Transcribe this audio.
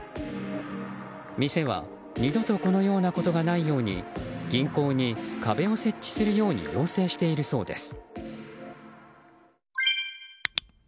店は二度とこのようなことがないように銀行に壁を設置するように要請しているそうです。